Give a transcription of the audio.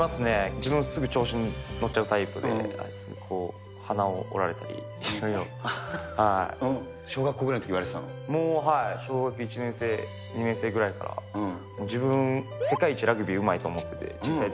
自分、すぐ調子に乗っちゃうタイプで、小学校ぐらいのときに言われもう、はい、小学１年生、２年生ぐらいから、自分、世界一ラグビーうまいと思ってて。